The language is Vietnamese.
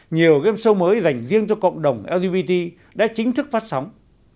nhiều game show mới dành riêng cho cộng đồng lgbt đã chính thức phát sóng